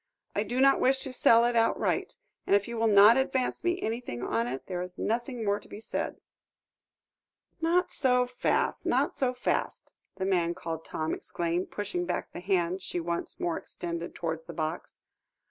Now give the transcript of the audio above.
"I do not wish to sell it outright, and if you will not advance me anything on it, there is nothing more to be said." "Not so fast, not so fast," the man called Tom exclaimed, pushing back the hand she once more extended towards the box.